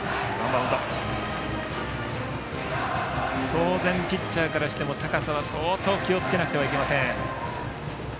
当然、ピッチャーからしても高さは相当気をつけなくてはいけません。